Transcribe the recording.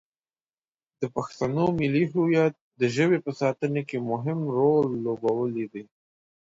د پښتنو ملي هویت د ژبې په ساتنه کې مهم رول لوبولی دی.